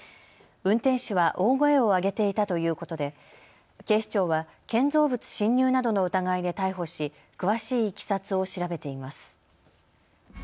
運転手は大声を上げていたということで警視庁は建造物侵入などの疑いで逮捕し詳しいいきさつを調べています。